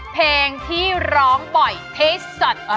เพลงที่ร้องบ่อยเทศสัตว์